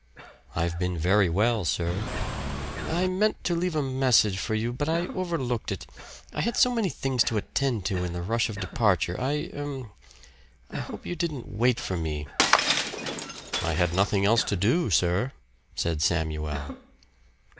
"I've been very well, sir." "I meant to leave a message for you, but I overlooked it. I had so many things to attend to in the rush of departure. I er I hope you didn't wait for me." "I had nothing else to do, sir," said Samuel.